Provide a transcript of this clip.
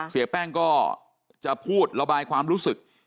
เสียแป้งก็จะพูดระบายความรู้สึก